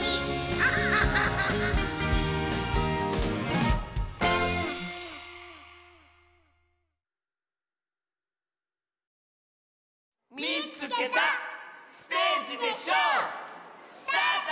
アハハハハ！スタート！